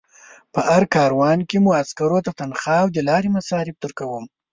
په هر کاروان کې مو عسکرو ته تنخوا او د لارې مصارف درکوم.